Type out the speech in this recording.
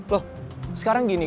loh sekarang gini